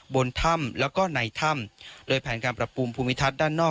บนถ้ำแล้วก็ในถ้ำโดยแผนการปรับปรุงภูมิทัศน์ด้านนอก